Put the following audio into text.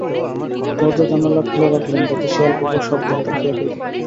দরজা-জানোলা খুলে রাখলেন, যাতে শেয়াল-কুকুর শবদেহটা খেয়ে ফেলতে পারে।